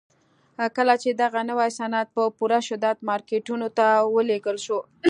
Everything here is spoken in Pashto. کله چې دغه نوي صنعت په پوره شدت مارکيټونو ته ولېږل شو.